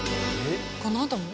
「このあとも？」